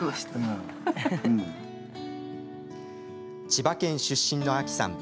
千葉県出身の亜紀さん。